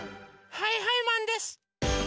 はいはいマンです！